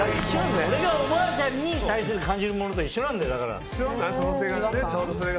俺がおばあちゃんに対して感じるものと一緒なんだよ、だから。